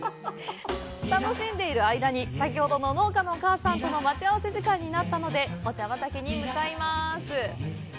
楽しんでいる間に、先ほどの農家のお母さんとの待ち合わせ時間になったので、お茶畑に向かいます。